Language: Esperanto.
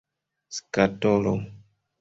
skatolo